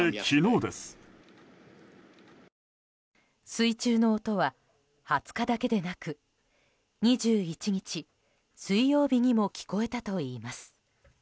水中の音は、２０日だけでなく２１日、水曜日にも聞こえたといいます。